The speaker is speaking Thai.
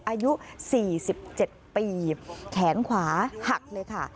อายุสี่สิบเจ็ดปีแขนขวาหักเลยค่ะ